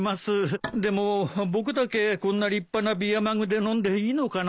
でも僕だけこんな立派なビアマグで飲んでいいのかな。